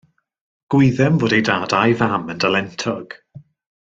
Gwyddem fod ei dad a'i fam yn dalentog.